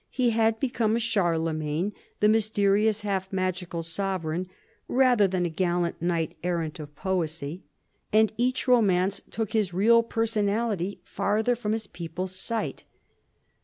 He had become a Charlemagne, the mysterious, half magical sovereign, rather than a gallant knight errant of poesy ; vii LAST YEARS 223 and each romance took his real personality farther from his people's sight.